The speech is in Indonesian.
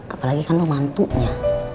apalagi kan lu mantunya